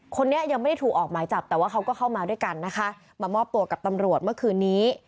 คนนี้ยังไม่ได้ถูกออกหมายจับแต่ว่าเขาก็เข้ามาด้วยกันนะคะมามอบตัวกับตำรวจเมื่อคืนนี้